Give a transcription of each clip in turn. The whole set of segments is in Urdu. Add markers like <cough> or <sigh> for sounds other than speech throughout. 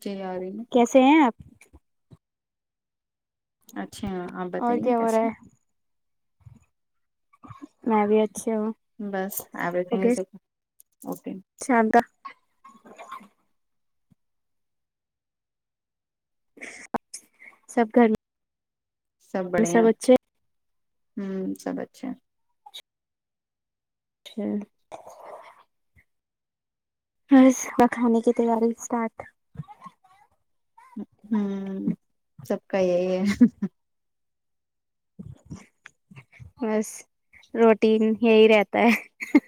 جی آ رہی ہے کیسے ہیں آپ اچھا آپ اور بتائیے کیا ہو رہا کیسے ہے میں بھی اچھی ہوں بس ایوری تھنگ اس اوکے شاندہ سب گھر ل سب بڑھیا ہ سب اچھا چھ بس وہ کھانے کی تیاری اسٹارٹ ہوں سب کا یہی ہے بس روٹین یہی رہتا ہے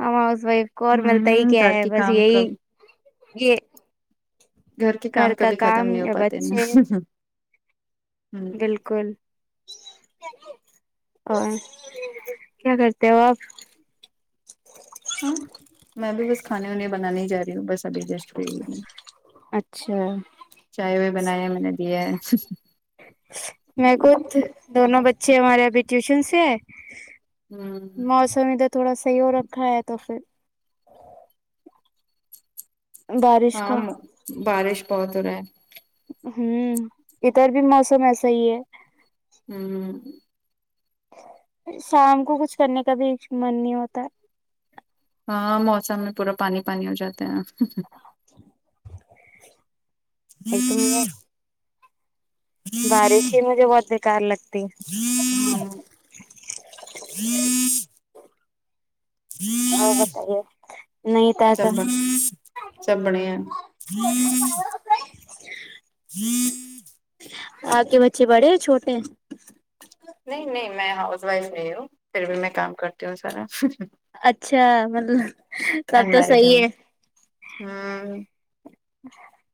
ہم ہاؤس وائف کو اور ملتا ہی ہوں کیا گھر ہے کے بس کام یہی کب یہ گھر کے کام کا کبھی ختم کام نہیں ہو یا پاتے نا بچے ہوں بالکل اور کیا کرتے ہو آپ ہاں میں بھی بس کھانے وانے بنانے ہی جا رہی ہوں بس ابھی جسٹ اچھا، چائے وائے بنائے میں نے دیاہے میں خود دونوں بچے ہمارے ابھی ٹیوشن سےآیے ہوں موسم ادھر تھوڑا صحیح ہو رکھا ہے تو پھر بارش ہاں کا بارش بہت ہو رہا ہے ہوں ادھر بھی موسم ایسا ہی ہے ہوں شام کو کچھ کرنے کا بھی من نہیں ہوتا ہاں موسم میں پورا پانی پانی ہو جاتا ہیں <inaudible> ایک تو ہوں مجھے بارش ہی مجھے بہت بیکار لگتی ہے ہاں بتائے سب سب بڑھیا جی آپ کے بچے بڑھے ہے چھوٹے ہے نہیں نہیں میں ہاؤس وائف نہیں ہوں پھر بھی میں کام کرتی ہوں سارا اچھا مطلب تب تو صحیح ہے ہاں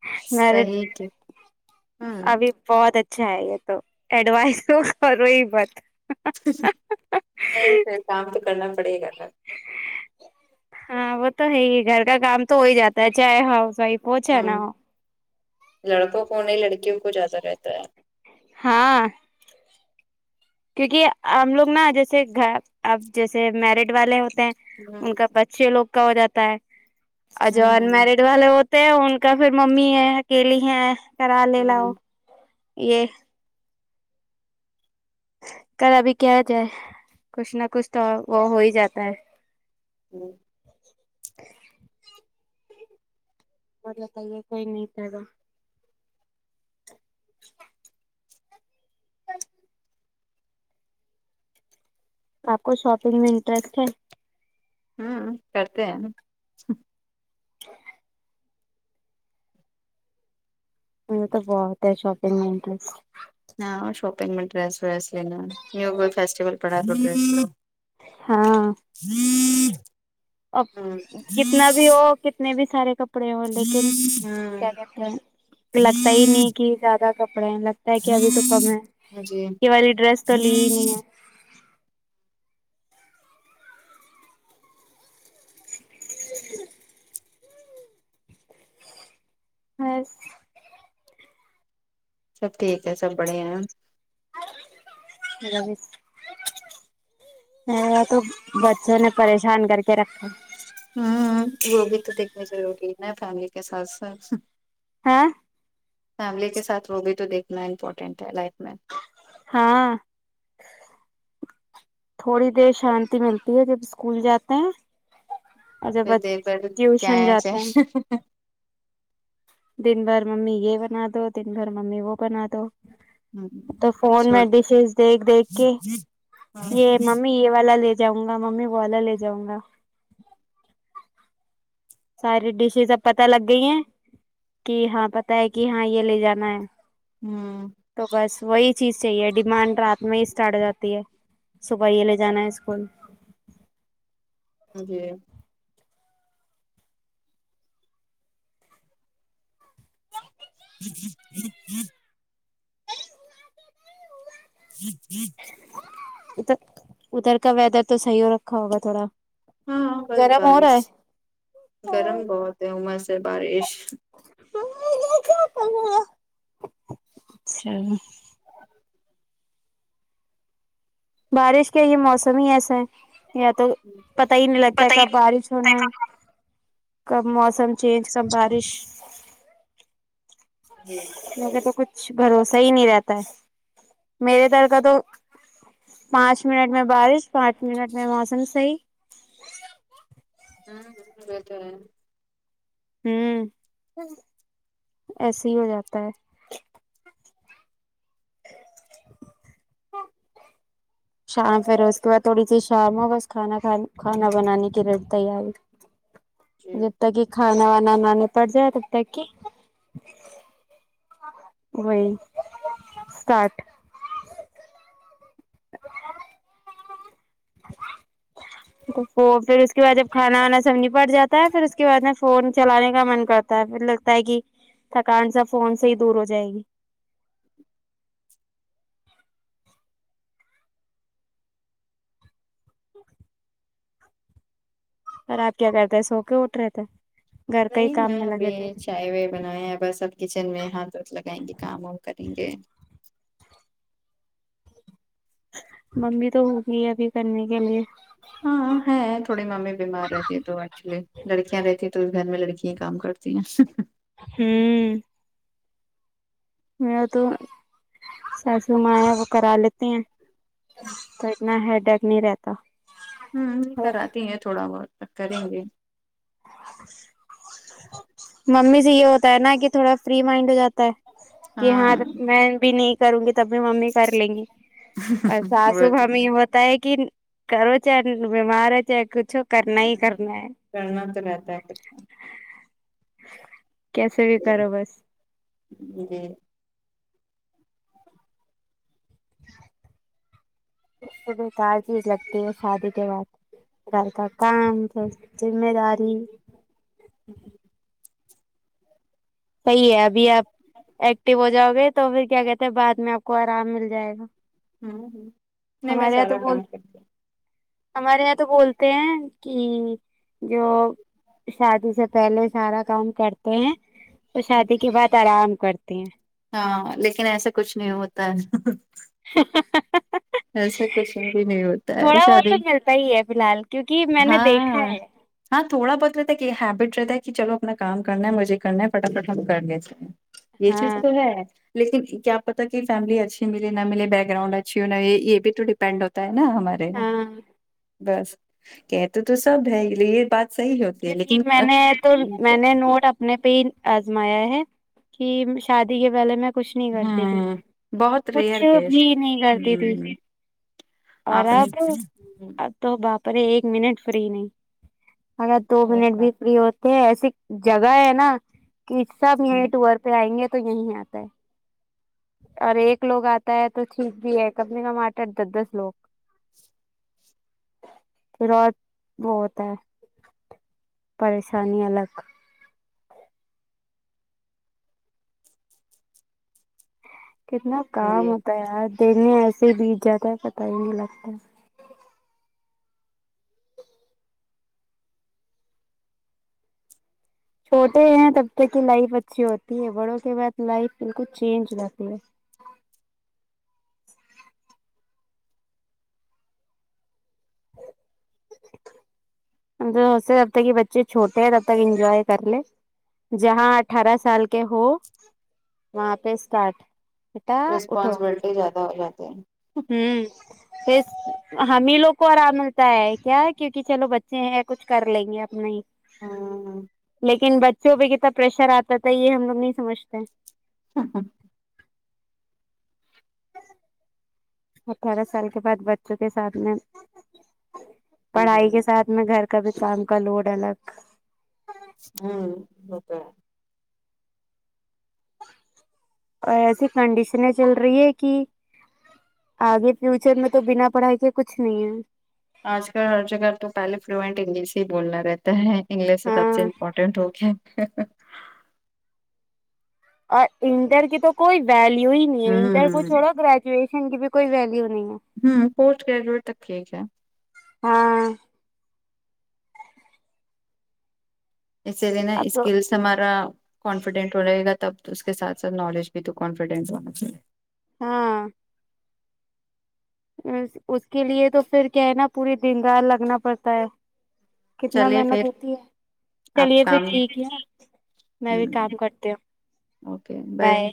اچ صحیح کی ابھی بہت اچھا ہے یہ تو ایڈوائز ہو کرو ہی بات نہیں سر کام تو کرنا پڑے گا نا ہاں وہ تو ہے ہی گھر کا کام تو ہو ہی جاتا ہے چاہے ہاؤس وائف ہو چاہے ہ نہ ہو لڑکوں کو نہیں لڑکیوں کو زیادہ رہتا ہے ہاں کیونکہ ہم لوگ نا جیسے گھر اب جیسے میرڈ والے ہوتے ہیں ان کا پ چھ لوگ کا ہو جاتا ہے اور جو ان ہ میرڈ والے ہو ان کا پھر ممی ہے اکیلی ہے کرا لے ہ لاؤ یہ کل ابھی کیا جائے کچھ نہ کچھ تو وہ ہو ہی جاتا ہے جی مطلب کہئیے کوئی نہیں <unintelligible> اچ آپ کو شاپنگ میں انٹرسٹ ہے ہوں کرتے ہیں ہ ہمیں تو بہت ہے شاپنگ میں انٹرسٹ ہاں شاپنگ میں ڈیرس ویرس لینا یہ وہ فسٹیول پڑا تو <inaudible> ہاں جی اب کتنا بھی ہو کتنے بھی سارے کپ ڑے ہو لیکن ہ کیا کہتے ہیں لگتا ہی جی نہیں کہ زیادہ کپڑے ہیں لگتا ہے کہ ابھی تو کم ہے یہ والی ڈریس تو لی ہی نہیں ہے ہس سب ٹھیک ہے سب بڑھیا ہیں ہیلو ہ یا تو بچوں نے پریشان کر کے رکھا ہاں ہاں وہ بھی تو دیکھنی ضروری ہے نا فیملی کے ساتھ ساتھ ہاں فیملی کے ساتھ وہ بھی تو دیکھنا امپورٹینٹ ہے لائف میں ہاں تھوڑی دیر شانتی ملتی ہے جب اسکول جاتے ہیں پھر اجابت دیکھ بھر ٹیوشن کیا جاتا ہیں چاہے دن بھر ممی یہ بنا دو دن بھر ممی وہ بنا دو تو فون میں چھوٹ ڈشز دیکھ دیکھ کے یہ ممی یہ والا لے جاؤں گا ممی وہ والا لے جاؤں گا ساری ڈشز اب پتا لگ گئی ہیں کہ ہاں پتا ہے کہ ہاں یہ لے جانا ہے ہمم تو بس وہی چیز چاہیے ڈیمانڈ رات میں ہی اسٹارٹ ہو جاتی ہے صبح یہ لے جانا ہے اسکول ہ جی ادھر ادھر کا ویدر تو صحیح ہو رکھا ہوگا تھوڑا ہاں ہاں بس گرم ہو رہا بارش ہے گرم بہت ہے عمر سے بارش اچھا بارش کے یہ موسم ہی ایسے ہیں یا تو پتہ ہی نہیں لگتا ہے پتہ ہی کب بارش ہونا ہے کب موسم چینج کب بارش جی میرے کو کچھ بھروسہ ہی نہیں رہتا ہے میرے دھر کا تو پانچ منٹ میں بارش پانچ منٹ میں موسم صحیح ہاں <unintelligible> ہوں ایسے ہی ہو جاتا ہے شام پھر اس کے بعد تھوڑی سی شام ہو بس کھانا کھ کھانا بنانے کی تیاری جی جب تک کہ کھانا وانا نہ نپٹ جائے تب تک کہ وہی اسٹارٹ <inaudible> پھر اس کے بعد جب کھانا وانا سب نپٹ جاتا ہے پھر اس کے بعد میں فون چلانے کا من کرتا پھر لگتا ہے کہ تھکان سب فون سے ہی دور ہو جائے گی اور آپ کیا کرتے ہیں سو کے اٹھ رہے تھے گھر کا ہی نہیں کام میں ابھی لگے تھے چائے وائے بناائے ہیں بس اب کچن میں ہاتھ وھ لگائیں گے کام وام کریں گے ممی تو ہوگی ابھی کرنے کے لیے ہاں ہے تھوڑی ممی بیمار رہتی ہے تو ایکچولی لڑکیاں رہتی تو اس گھر میں لڑکی ہی کام کرتی <inaudible> ہوں میں تو ساسو ماں ہے وہ کرا لیتے ہیں تو اتنا ہیڈگ نہیں رہتا ہوں کراتی ہیں تھوڑا بہت پر کریں گے ممی سے یہ ہوتا ہے نا کہ تھوڑا فری مائنڈ ہو جاتا ہے کہ ہاں میں بھی نہیں کروں گی تب بھی ممی کر لیں گی اور وہ ساسو تو ہے ممی بہت پتا ہے کہ کرو چاہے بیمار ہے چاہے کچھ ہو کرنا ہی ہاں کرنا ہے کرنا تو رہتا ہے پھر کیسے بھی کرو بس جی بے کار چیز لگتی ہے شادی کے بعد گھر کا کام گھر کی ذمہ داری <inaudible> صحیح ہے ابھی آپ ایکٹو ہو جاؤ گے تو پھر کیا کہتے ہیں بعد میں آپ کو آرام مل جائے گا ہوں ہوں نہیں میں ہمارے یہاں تو سارا بول کام کرتی ہمارے یہاں تو بولتے ہیں کہ جو شادی سے پہلے سارا کام کرتے ہیں اور شادی کے بعد آرام کرتے ہیں ہاں لیکن ایسا کچھ نہیں ہوتا ہے ھیں ھیں ھیں۔۔۔۔۔ ایسے کچھ بھی نہیں ہوتا ہے بہت تو شادی ملتا ہی ہے فی الحال کیونکہ میں نے ہاں دیکھا ہے ہاں تھوڑا بہت رہتا ہے کہ ہیبٹ رہتا ہے کہ چلو اپنا کام کرنا ہے مزے کرنا ہے فٹافٹ ہم کر لیتے ہیں یہ چیز ہاں تو ہے لیکن کیا پتا کہ فیملی اچھی ملے نہ ملے بیک گراؤنڈ اچھی ہو نئی یہ بھی تو ڈیپینڈ ہوتا ہے نا ہمارے یہاں ہاں بس کہتے تو سب ہے لیے یہ بات صحیح ہوتی لیکن میں نے تو میں نے نوٹ اب نے پہ ہی آزمایا ہے کہ شادی کے پہلے میں کچھ نہیں کرتی تھی ہاں بہت کچھ ریئر کیس بھی نہیں کرتی تھی ہ اور آپ نے اب اب تو باپرے ایک منٹ فری نہیں اگر دو منٹ بھی فری ہوتے ہیں ایسی جگہ ہے نا کہ سب مٹ ور وہ آئیں گے تو یہیں آتا ہے اور ایک لوگ آتا ہے تو ٹھیک بھی ہے کم سے کم آٹھ آٹھ دس دس لوگ پھر ات بہت ہے پریشانی الگ کتنا کام جی ہوتا ہے یار دن میں ایسے ہی بیت جاتا ہے پتہ ہی نہیں لگتا ہے چھوٹے ہیں تب تک کی لائف اچھی ہوتی ہے بڑوں کے بعد لائف بالکل چینج رہتی ہے جو سے جب تک یہ بچے چھوٹے ہیں تب تک انجوائے کر لے جہاں اٹھارہ سال کے ہو وہاں پہ اسٹارٹ بیٹا اٹھو رسپانسبلٹی زیادہ ہو جاتے ہیں ہوں پھر ہم ہی لوگ کو آرام ملتا ہے کیا کیونکہ چلو بچے ہیں کچھ کر لیں گے اپنا ہی ہاں لیکن بچوں پے کتنا پریشر آتا تھا یہ ہم لوگ نہیں سمجھتے <unintelligible> اٹھارہ سال کے بعد بچوں کے ساتھ میں جی پڑھائی کے ساتھ گھر کا بھی کام کا لوڈ الگ ہوں وہ تو ہے اور ایسی کنڈیشنیں چل رہی ہے کی آگے فیوچر میں تو بنا پڑھائی کے کچھ نہیں ہے آج کل ہر جگہ تو پہلے فلوئینٹ انگلش ہی بولنا رہتا ہے انگلش سب سے ہاں امپورٹنٹ ہوگیا ہے اور انٹر کی تو کوئی ویلو ہی نہیں ہے انٹر کو ہوں چھوڑو گرا یجوشن کی بھی کوئی ویلیو نہیں ہے ہوں پوسٹ گریجویٹ تک ٹھیک ہے ہاں اسی لیے نا اب تو اسکلس ہمارا کانفیڈنٹ ہو رہے گا تب اس کے ساتھ ساتھ نالج ابھی تو کانفیڈنس آنا چاہیے ہاں اس کے لیے تو پھر کیا ہے نا پوری دن رات لگنا پڑتا ہے کتنا چلیے محنت پھر ہوتی ہے آپ چلیے پھر کام ٹھیک ہی ہے میں ہ بھی کام کرتی ہوں بائے